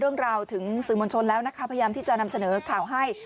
เรื่องราวถึงสื่อมวลชนแล้วนะคะพยายามที่จะนำเสนอข่าวให้